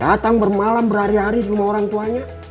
datang bermalam berhari hari di rumah orang tuanya